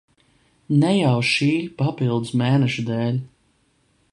Ne jau šī papildus mēneša dēļ.